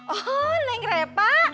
oh neng repa